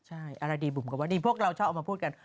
ใช่อะไรดีบุ๋มก็ว่าดีพวกเราชอบเอามาพูดกัน